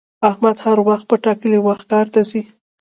احمد هر وخت په ټاکلي وخت کار ته ځي